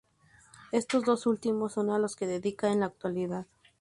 Estos dos últimos son a los que dedica en la actualidad.